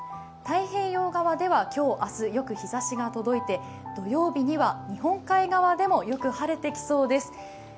太平洋側では今日、明日、よく日ざしが届いて土曜日には日本海側でもよく晴れてきそうです。